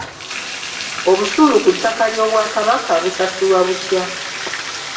Obusuulu ku ttaka ly’obwakabaka busasulwa butya?